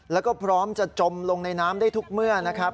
แล้วก็พร้อมจะจมลงในน้ำได้ทุกเมื่อนะครับ